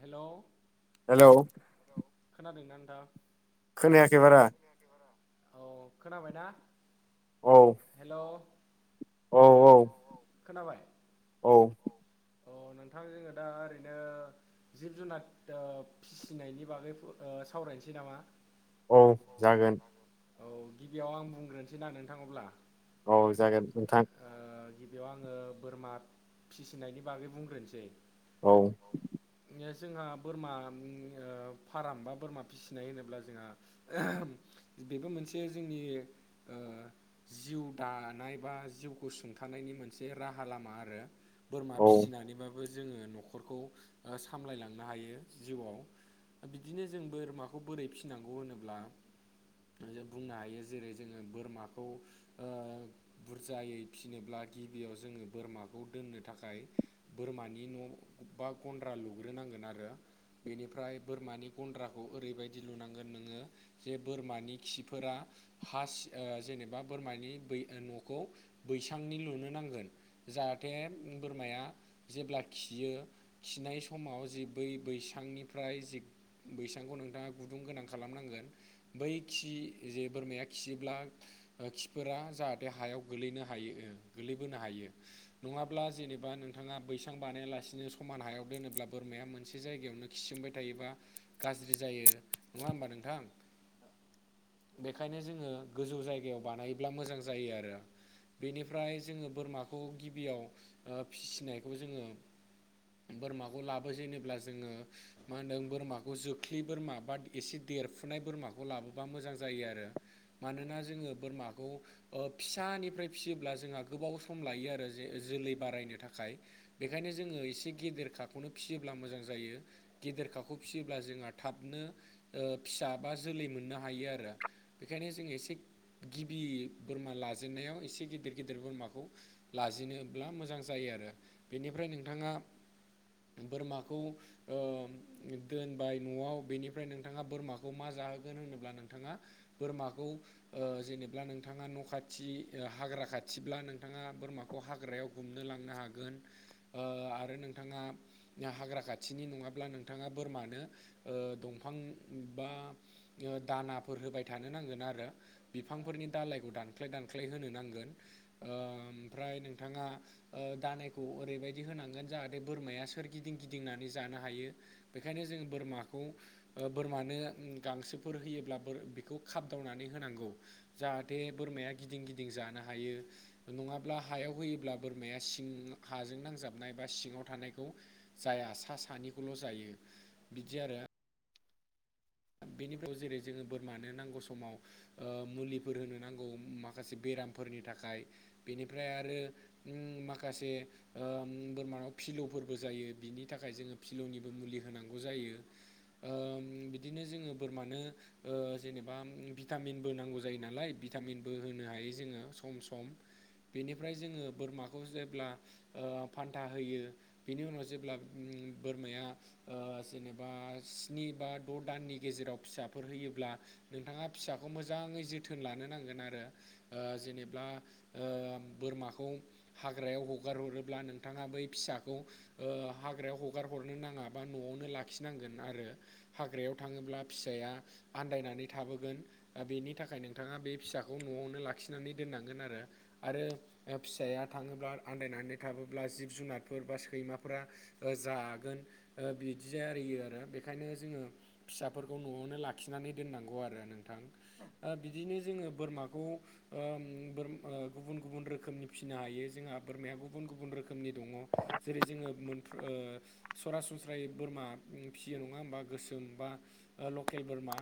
हेल' hello औ खोनादोंना नोंथां खोनायाखै बारा औ खोनाबायना हेलौ औ औ औ औ अ नोंथां जोंङो दा ओरैनो जिब जुनार ओ फिसिनायनि बागै ओ सावरायनोसै नामा औ जागोन औ गिबियाव आं बुंग्रोनोसै ना नोंथां अब्ला औ जागोन नोंथां गिबियाव आंङो बोरमा फिसिनायनि बागै बुंग्रोनोसै औ जोंहा बोरमा फार्म बा बोरमा फिसिनाय होनोब्ला जोंहा बेबो मोनसे जोंनि जिउ दानाय बा जिउखौ सुंथानायनि मोनसे राहा लामा आरो बोरमा औ फिसिनानैबाबो जोंङो न'खरखौ सामलायलांनो हायो जिउआव बिदिनो जों बोरमाखौ बोरै फिनांगौ होनोब्ला बुंनो हायो जेरै जोंङो बोरमाखौ बुरजायै फिनोब्ला गिबियाव जोंङो बोरमाखौ दोननो थाखाय बोरमानि न' बा गन्द्रा लुग्रोनांगोन आरो बेनिफ्राय बोरमानि गन्द्राखौ ओरैबायदि लुनांगोन नोंङो जे बोरमानि खिफोरा हासि जेनेबा बोरमानि बै न'खौ बैसांनि लुनो नांगोन जाहाथे बोरमाया जेब्ला खियो खिनाय समाव जि बै बैसांनिफ्राय जि बैसांखौ नोंथांङा गुदुं गोनां खालामनांगोन बै खि जे बोरमाया खियोब्ला खिफोरा जाहाथे हायाव गोलैनो हायो गोलैबोनो हायो नंङाब्ला जेनेबा नोंथाङा बैसां बानायालासिनो समान हायाव दोनोब्ला बोरमाया मोनसे जायगायावनो खिसोमबाय थायोबा गाज्रि जायो नंङा होमबा नोंथां बेखायनो जोंङो गोजौ जायगायाव बानायोब्ला मोजां जायो आरो बेनिफ्राय जोंङो बोरमाखौ गिबियाव फिसिनायखौ जोंङो बोरमाखौ लाबोजेनोब्ला जोंङो मा होनदों बोरमाखौ जोख्लि बोरमा बा एसे देरफुनाय बोरमाखौ लाबो बा मोजां जायो आरो मानोना जोंङो बोरमाखौ फिसानिफ्राय फिसियोब्ला जोंहा गोबाव सम लायो आरो जे जोलै बारायनो थाखाय बेखायनो जोङो एसे गेदेर खाखौनो फिसियोब्ला मोजां जायो गेदेरखाखौ फिसियोब्ला जोंहा थाबनो फिसा बा जोलै मोननो हायो आरो बेखायनो जों एसे गिबि बोरमा लाजेननायाव एसे गिदिर गिदिर बोरमाखौ लाजिनोब्ला मोजां जायो आरो बेनिफ्राय नोंथाङा बोरमाखौ ओम दोनबाय न'आव बेनिफ्राय नोंथाङा बोरमाखौ मा जाहोगोन होन ब्ला नोंथाङा बोरमाखौ जेनेब्ला नोंथाङा न' खाथि हाग्रा खाथिब्ला नोंथाङा बोरमाखौ खौ हाग्रायाव गुमनो लांनो हागोन आरो नोंथाङा हाग्रा खाथिनि नङाब्ला नोंथाङा बोरमानो ओ दंफां बा ओ दानाफोर होबाय थानो नांगोन आरो बिफांफोरनि दालायखौ दानख्लाय दानख्लाय होनो नांगोन ओ ओमफ्राय नोंथाङा ओ दानायखौ ओरैबायदि होनांगोन जाहाथे बोरमाया सोर गिदिं गिदिंनानै जानो हायो बेखायनो जों बोरमाखौ ओ बोरमानो गांसो फोर होयोब्लाबो बेखौ खाबदावनानै होनांगौ जाहाथे बोरमाया गिदिं गिदिं जानो हायो नङाब्ला हायाव होयोब्ला बोरमाया सिं हाजों नांजाबनाय बा सिङाव थानायखौ जाया सा सानैखौल' जायो बिदि आरो बेनिफ्राव जेरै जोङो बोरमानो नांगौ समाव ओ मुलिफोर होनो नांगौ माखासे बेरामफोरनि थाखाय बेनिफ्राय आरो उम माखासे ओम बोरमानाव फिलौफोरबो जायो बिनि थाखाय जोङो फिलौनिबो मुलि होनांगौ जायो ओम बिदिनो जोङो बोरमानो ओ जेनेबा भिटामिनबो नांगौ जायो नालाय भिटामिनबो होनो हायो जोङो सम सम बेनिफ्राय जोङो बोरमाखौ जेब्ला ओ फान्था होयो बेनि उनाव जेब्ला ओम बोरमाया ओ जेनेबा स्नि बा द' दाननि गेजेराव फिसाफोर होयोब्ला नोंथाङा फिसाखौ मोजाङै जोथोन लानो नांगोन आरो। ओ जेनेब्ला ओ बोरमाखौ हाग्रायाव हगार हरोब्ला नोंथाङा बै फिसाखौ ओ हाग्रायाव हगार हरनो नाङा बा न'आवनो लाखिनांगोन आरो। हाग्रायाव थाङोब्ला फिसाया आन्दायनानै थाबोगोन। ओ बेनि थाखाय नोंथाङा बे फिसाखौ न'आवनो लाखिनानै दोननांगोन आरो। आरो ओ फिसाया थाङोब्ला आन्दायनानै थाबोब्ला जिब जुनारफोर बा सैमाफोरा ओ जागोन ओ बिदि जायो आरो बेखायनो जोङो फिसाफोरखौ न'आवनो लाखिनानै दोननांगौ आरो नों थां ओ बिदिनो जोङो बोरमाखौ ओम बोर ओ गुबुन गुबुन रोखोमनि फिसिनो हायो जोंहा बोरमाया गुबुन गुबुन रोखोमनि दङ जेरै जोङो मोनफ्रो ओ सरासनस्रायै बोरमा फियो नङा होमबा। गोसो दों बा ओ लकेल बोरमा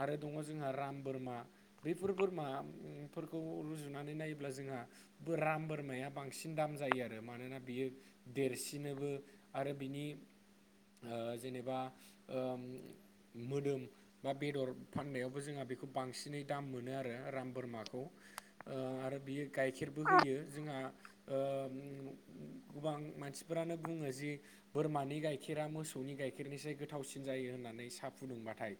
आरो दङ जोंहा राम बोरमा। बेफोर बोरमाफोरखौ रुजुनानै नायोब्ला जोंहा बो राम बोरमाया बांसिन दाम जायो आरो मानोना बियो देरसिनोबो आरो बिनि हो जेनेबा ओम मोदोम बा बेदर फाननायावबो जोंहा बेखौ बांसिनै दाम मोनो आरो राम बोरमाखौ। ओ आरो बियो गाइखेरबो होयो जोंहा ओम गोबां मानसिफोरानो बुङो जि बोरमानि गाइखेरा मोसौनि गाइखेरनिसाय गोथावसिन जायो होननानै सा फुदुंबाथाय।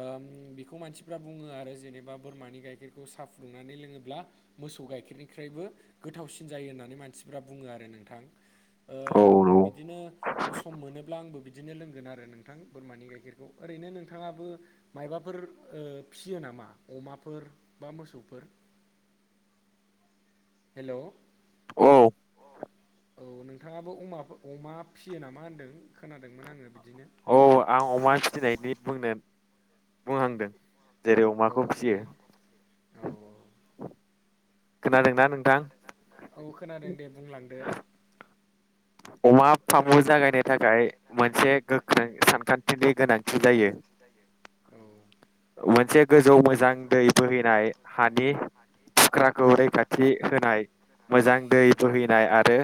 ओम बेखौ मानसिफ्रा बुङो आरो जेनेबा बोरमानि गाइखेरखौ साहा फुदुंनानै लोङोब्ला मोसौ गाइखेरनिखफ्रायबो गोथावसिन जायो होननानै मानसिफ्रा बुङो आरो नोंथां। औ औ बिदिनो सम मोनोब्ला आंबो बिदिनो लोंगोन आरो नोंथां बोरमानि गायखेर ओरैनो नोंथाङाबो मबाफोर फिसियो नामा अमाफोर बा मोसौफोर हेल' औ औ औ नोंथाङाबोमा अमा फियो नामा होनदों खोनादोंमोन आङो बिदिनो औ आं अमा फिनायनि बुंनो बुंहांदों जेरै औ अमाखौ दे फियो औ खोनादोंना नोंथां औ खोनादों दे बुंलांदो अमा फामु जागायनो थाखाय मोनसे गोख्रों सानखान्थिनि गोनां जायो औ मोनसे गोजौ मोजां दै बोहैनाय हानि फुख्राखौ रैखाथि होनाय मोजां दै बोहैनाय आरो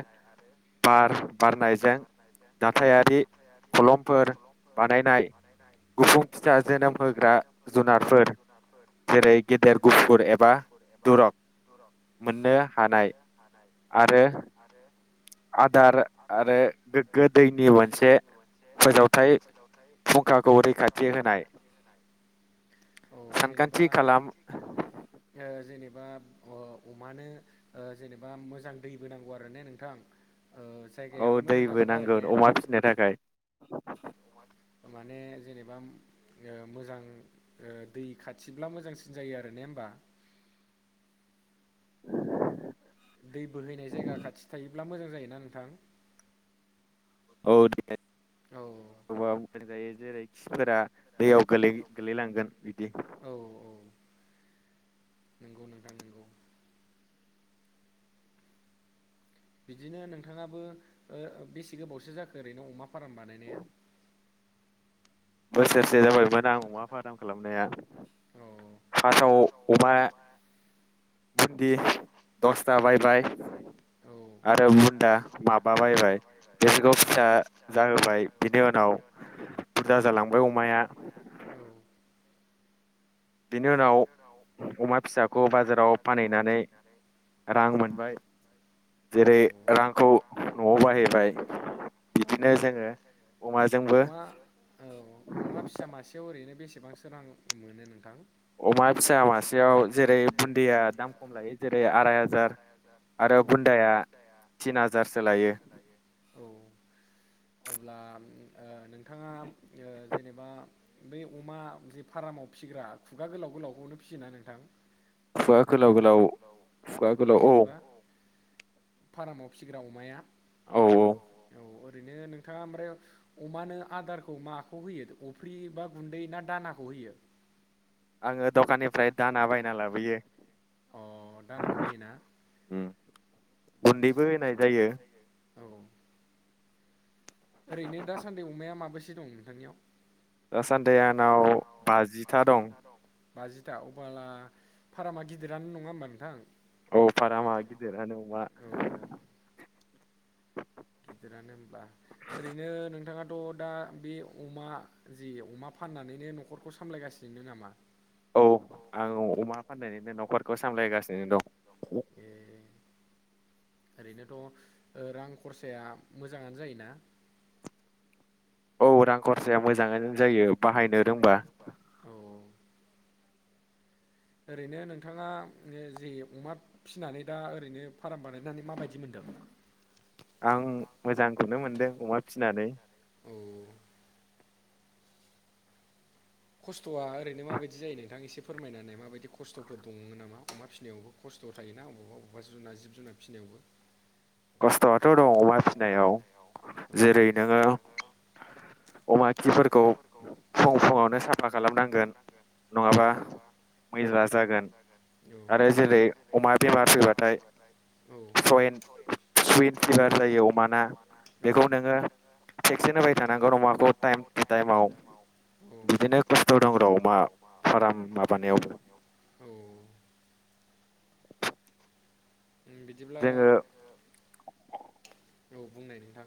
बार बारनायजों दथायारि खलमफोर बानायनाय गुफुं फिसा जोनोम होग्रा जुनारफोर जेरै गेदेर गुफुर एबा दुरब मोननो हानाय आरो आरो आदार आरो गोग्गो दैनि मोनसे फोजावथाय फुंखाखौ रैखाथि होनाय औ जेनेबा सानखान्थि खालाम जेनेबा अमानो जेनेबा मोजां दैबो नांगौ आरो ने नोंथां औ जायगायाबो मोजां दैबो जानांगौ आरो नांगोन ने अमा फिनो थाखाय माने जेनेबा मोजां दै खाथिब्ला मोजांसिन जायो आरो ने होमबा दै बोहैनाय जायगा खाथि थायोब्ला मोजां जायोना नोंथां औ दे औ बबावबा जायो जेरै खिफोरा दैयाव गोलैलांगोन बिदि औ औ नंगौ नोंथा नंगौ। बिदिनो नोंथाङाबो बेसे गोबावसो जाखो ओरैनो अमा फार्म बानायनाया बोसोरसे जाबायमोन आं अमा फादाम खालामनाया औ फार्स्टआव अमा बुन्दि दसथा बायबाय औ आरो बुन्दा माबा बायबाय बिसोरखौ फिसा जाहोबाय बिनि उनाव जाजालांबाय अमाया औ बिनि उनाव अमा फिसाखौ बाजाराव फानहैनानै रां मोनबाय जेरै रांखौ न'आव बाहायबाय औ बिदिनो जोङो अमाजोंबो अमा औ अमा फिसा मासेयाव ओरैनो बेसेबांसो रां मोनो नोंथां अमा फिसा मासेयाव जेरै बुन्दिया दाम खम लायो जेरै आराय हाजार औ आरो बुन्दाया थिन हाजारसो लायो औ अब्ला नोंथाङा जेनेबा बे अमा जे फार्माव फिग्रा खुगा गोलाव गोलावखौनो फियोना नोंथां? खुगा गोलाव गोलाव खुगा गोलाव औ फार्माव फिसिग्रा अमाया औ औ औ ओरैनो नोंथाङा ओमफ्राय अमानो आदारखौ माखौ होयो अफ्रि बा गुन्दै ना दानाखौ होयो आङो दखाननिफ्राय दाना बायना लाबोयो अ दानाखौ होयोना आदसा गुन्दैबो होनाय जायो। आदसा औ ओरैनो दासान्दि अमाया माबैसे दं नोंथांनियाव? दासान्दि आंनाव बाजिथा दं बाजिथा अबला फारामा गिदिरानो नङा होमबा नोंथां? औ फाराम गिदिरानो अमा औ औ गिदिरानो होनब्ला ओरैनो नोंथाङाथ' दा बे अमा जि अमा फाननानैनो न'खरखौ सामलायगासिनो नामा? औ आं अमा फाननायनिनो न'खरखौ सामलायगासिनो दं। बे ओरैनोथ' रां खरसाया मोजाङानो जायोना? औ रां खरसाया मोजाङानो जायो बाहायनो रोंबा औ ओरैनो नोंथाङा जे अमा फिनानै दा ओरैनो फाराम बानायनानै माबायदि मोनदों? आं मोजांखौनो मोनदों अमा फिनानै। उम खस्थ'आ ओरैनो माबायदि जायो नोंथां एसे फोरमायनानै माबायदि खस्थ'फोर दङ नामा अमा फिसिनायाव खस्थ' थायोना अबेबा बबेबा जुनार जिब जुनार फिसिनायावबो? खस्थ'आथ' दं अमा फिसिनायाव औ जेरै नोङो अमा खिफोरखौ फुं फुङावनो साफा खालामनांगोन औ नङाबा मैला जागोन आरो जेरै अमा बेमार फैबाथाय औ सयेन औ सुइन फिभार जायो अमाना बेखौ नोङो थेक्सेन होबाय थानांगौ नमाखौ टाइम टु टाइमाव। औ औ बिदिनो खस्थ' दं राव अमा फार्म माबानायावबो औ बिदिब्ला जोङो औ बुंनाय नोंथां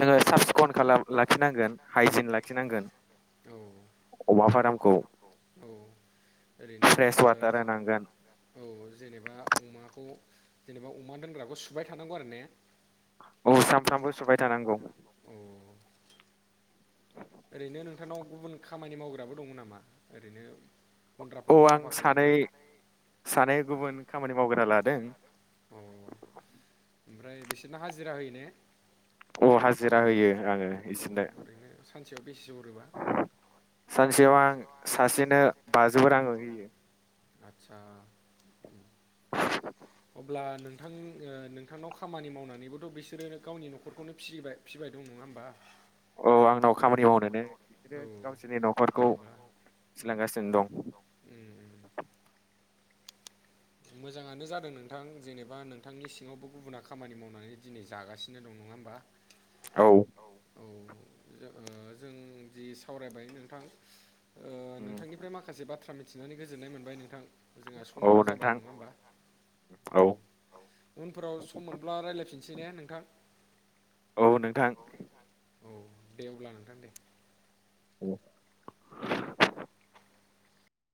जोङो साब सिखन खालाम लाखिनांगोन हाइजिन लाखिनांगोन। औ अमा फार्मखौ औ। ओरैनो फ्रेस वाटार होनांगोन ओ औ जेनेबा अमाखौ जेनेबा अमा दोनग्राखौ सुबाय थानांगौ आरो ने? औ सामफ्रामबो सुबाय थानांगौ। औ ओरैनो नोंथांनाव गुबुन खामानि मावग्राबो दङ नामा ओरैनो औ गन्द्राफोरखौ आं साफा सानै खालामग्रा? सानै गुबुन खामानि मावग्रा लादों। औ ओमफ्राय बिसोरना हाजिरा होयो ने? औ हाजिरा होयो आङो औ इसोरनो ओरैनो सानसेयाव बेसे हरो? सानसेयाव आं सासेनो बाजौ राङै होयो। आच्छा। अब्ला नोंथां नोंथांनाव खामानि मावनानैबोथ' बिसोरो गावनि न'खरखौनो फिबोबाय। फिबाय दं नङा होमबा? औ आंनाव खामानि जेनेबा मावनानै औ बिसोरो गावसोरनि न'खरखौ जेनेबा सोलिलांगासिनो दं। उम उम मोजाङानो जादों नोंथां जेनेबा नोंथांनि सिङावबो गुबुना खामानि मावनानै दिनै जागासिनो दं नङा होमबा। [inaudible] औ औ ओ जों जि सावरायबाय नोंथां। ओ उम, नोंथांनिफ्राय माखासे बाथ्रा मिथिनानै गोजोननाय मोनबाय नोंथां। जोंहा औ समाबो जाबाय नोंथां नङा होमबा? औ। उनफोराव सम मोनब्ला रायलायफिनसै ने नोंथां? औ नोंथां। औ दे अब्ला नोंथां दे। [inaudible]